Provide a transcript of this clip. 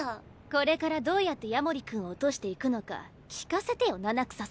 これからどうやって夜守君を落としていくのか聞かせてよ七草さん。